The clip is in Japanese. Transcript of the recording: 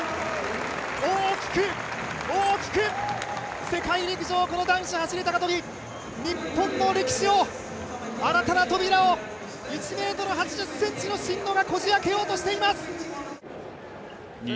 大きく大きく、世界陸上、この男子走高跳、日本の歴史を、新たな扉を１ｍ８０ｃｍの真野がこじ開けようとしています。